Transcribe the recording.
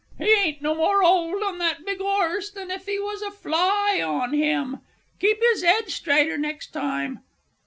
He ain't no more 'old on that big 'orse than if he was a fly on him!... Keep his 'ed straighter next time....